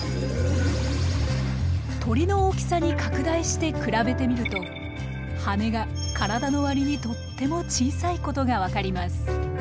鳥の大きさに拡大して比べてみると羽が体の割にとっても小さいことが分かります。